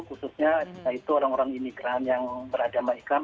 khususnya itu orang orang imigran yang beragama islam